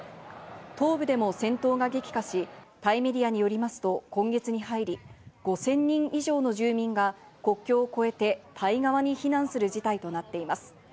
東部でも戦闘が激化し、タイメディアによりますと今月に入り、５０００人以上の住民が国境を越えてタイ側に避難する事態となっています。